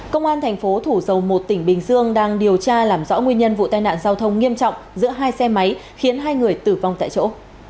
công an thành phố thủ dầu một tỉnh bình dương đang điều tra làm rõ nguyên nhân vụ tai nạn giao thông nghiêm trọng giữa hai xe máy khiến hai người tử vong tại chỗ